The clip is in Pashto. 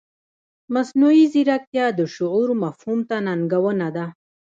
مصنوعي ځیرکتیا د شعور مفهوم ته ننګونه ده.